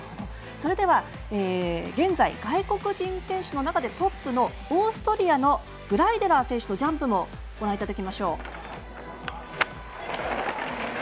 それでは、現在外国人選手の中でトップのオーストリアのグライデラー選手のジャンプもご覧いただきましょう。